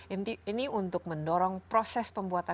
ini untuk mendorong proses pembuatan